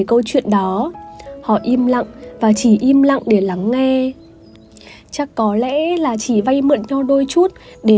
câu chuyện đó họ im lặng và chỉ im lặng để lắng nghe chắc có lẽ là chỉ vay mượn nhau đôi chút để